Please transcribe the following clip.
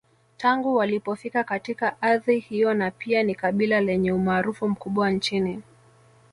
Tangu walipofika katika ardhi hiyo na pia ni kabila lenye umaarufu mkubwa nchini